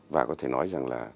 và có thể nói rằng là